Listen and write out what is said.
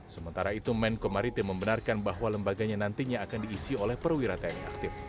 sementara itu menko maritim membenarkan bahwa lembaganya nantinya akan diisi oleh perwira tni aktif